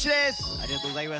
ありがとうございます。